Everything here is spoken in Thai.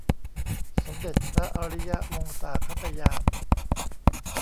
สมเด็จพระอริยวงศาคตญาณ